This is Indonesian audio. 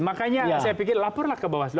makanya saya pikir laporlah ke bawaslu